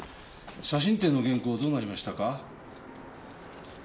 写真展の原稿どうなりましたか？